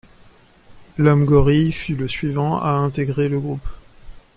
L'Homme-Gorille fut le suivant à intégrer le groupe.